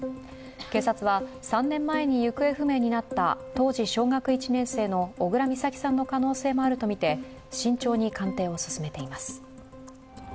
警察は３年前に行方不明になった当時小学１年生の小倉美咲さんの可能性もあるとみて慎重に鑑定を進めています。